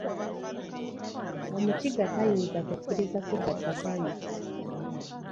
Omukiga tayinza kukkiriza kubba ttaka lye.